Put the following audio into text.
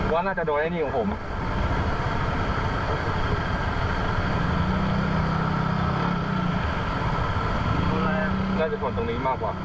ขอโทษครับพี่